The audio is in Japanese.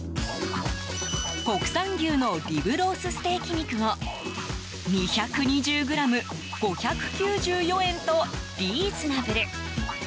国産牛のリブロースステーキ肉も２２０ｇ、５９４円とリーズナブル。